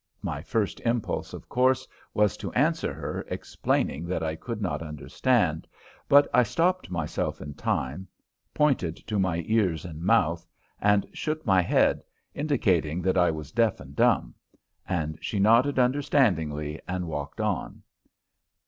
My first impulse, of course, was to answer her, explaining that I could not understand, but I stopped myself in time, pointed to my ears and mouth, and shook my head, indicating that I was deaf and dumb, and she nodded understandingly and walked on.